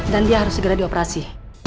dan dia harus segera dioperasi